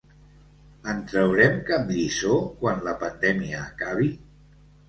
En traurem cap lliçó quan la pandèmia acabi?